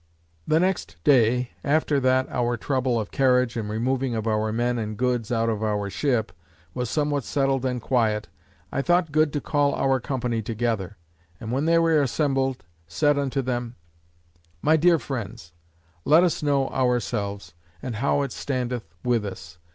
The next day, after that our trouble of carriage and removing of our men and goods out of our ship, was somewhat settled and quiet, I thought good to call our company together; and when they were assembled, said unto them; "My dear friends, let us know ourselves, and how it standeth with us.